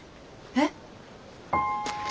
えっ？